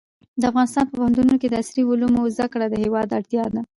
د افغانستان په پوهنتونونو کې د عصري علومو زده کړه د هېواد اړتیا ده.